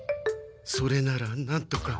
それならなんとか。